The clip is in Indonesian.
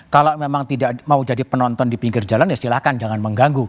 kalau memang tidak mau jadi penonton di pinggir jalan ya silahkan jangan mengganggu